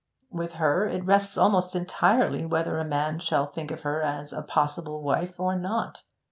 With her it rests almost entirely whether a man shall think of her as a possible wife or not.